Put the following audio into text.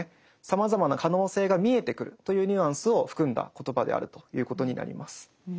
さまざまな可能性が見えてくるというニュアンスを含んだ言葉であるということになります。